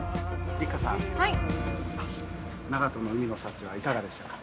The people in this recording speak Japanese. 六花さん、長門の海の幸はいかがでしたか？